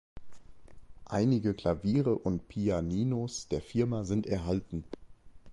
Einige Klaviere und Pianinos der Firma sind erhalten.